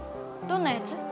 どんなやつ？